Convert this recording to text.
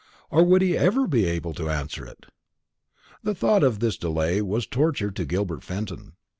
or would he ever be able to answer it? The thought of this delay was torture to Gilbert Fenton.